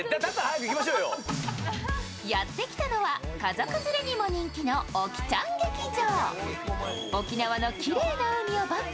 やって来たのは家族連れにも人気のオキちゃん劇場。